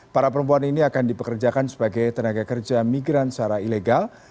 para perempuan ini akan dipekerjakan sebagai tenaga kerja migran secara ilegal